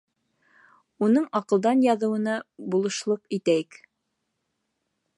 Уның аҡылдан яҙыуына булышлыҡ итәйек.